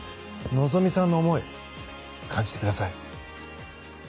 希実さんの思い感じてください。